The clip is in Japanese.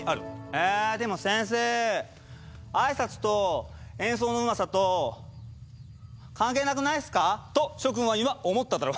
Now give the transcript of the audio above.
「えでも先生あいさつと演奏のうまさと関係なくないっすか？」と諸君は今思っただろう。